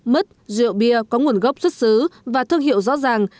mứt rượu bia có nguồn gốc xuất xứ và thương hiệu rõ ràng